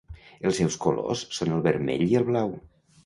Els seus colors són el vermell i el blau.